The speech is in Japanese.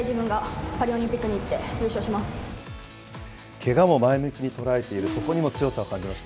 けがも前向きに捉えている、そこにも強さを感じました。